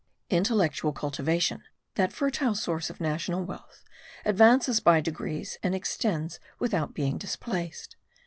Intellectual cultivation, that fertile source of national wealth, advances by degrees and extends without being displaced.